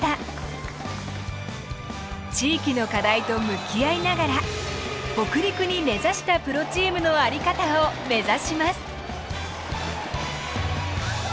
地域の課題と向き合いながら北陸に根ざしたプロチームの在り方を目指します。